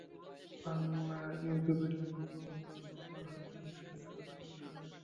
বাংলা উইকিপিডিয়াতে বহু বছর যাবত প্রশাসকদের নিষ্ক্রিয় থাকার সমস্যা রয়েছে।